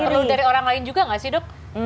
perlu dari orang lain juga nggak sih dok